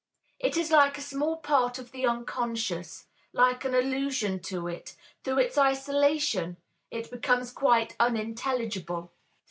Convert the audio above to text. It is like a small part of the unconscious, like an allusion to it; through its isolation it became quite unintelligible.